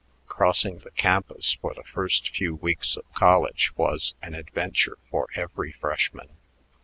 Crossing the campus for the first few weeks of college was an adventure for every freshman.